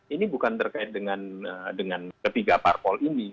ini bukan terkait dengan ketiga parpol ini